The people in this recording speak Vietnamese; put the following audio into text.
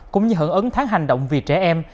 cũng như hưởng ứng tháng hành động vì trẻ em